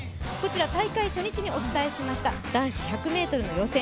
大会初日にお伝えしました、男子１００ｍの予選。